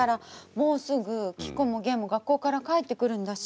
もうすぐ希子も源も学校から帰ってくるんだし。